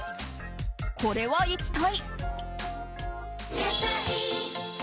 これは一体。